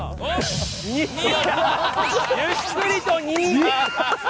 ２！ゆっくりと２！